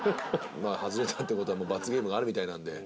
まあ外れたって事は罰ゲームがあるみたいなんで。